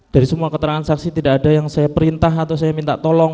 dari semua keterangan saksi tidak ada yang saya perintah atau saya minta tolong